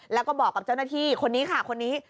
แล้วก็บอกกับเจ้าหน้าที่คนนี้ค่ะคนนี้